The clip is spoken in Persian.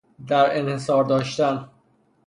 در انحصار داشتن